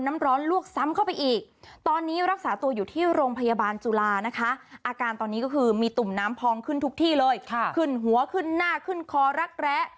น้ำพองขึ้นทุกที่เลยค่ะขึ้นหัวขึ้นหน้าขึ้นคอรักแร้